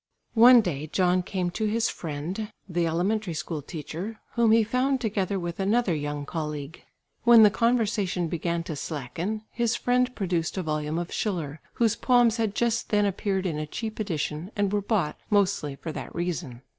One day John came to his friend the elementary school teacher whom he found together with another young colleague. When the conversation began to slacken, his friend produced a volume of Schiller, whose poems had just then appeared in a cheap edition and were bought mostly for that reason.